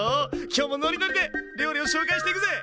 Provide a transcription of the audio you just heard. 今日もノリノリで料理を紹介していくぜ！